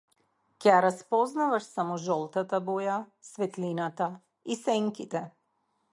Ќе ја распознаваш само жолтата боја, светлината и сенките.